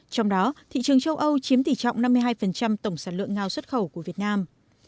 trong đó thị trường châu âu chiếm tỷ trọng năm mươi hai tổng sản lượng ngao xuất khẩu của việt nam